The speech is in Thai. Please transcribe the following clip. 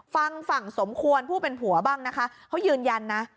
ฟังฝั่งสมควรผู้เป็นผัวบ้างนะคะเขายืนยันนะ